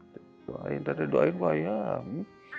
doain teteh doain bayang